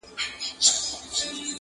پوښتني لا هم ژوندۍ پاتې کيږي تل-